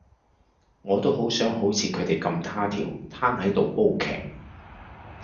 我都好想好似佢咁佗佻攤喺度煲劇